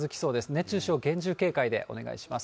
熱中症、厳重警戒でお願いします。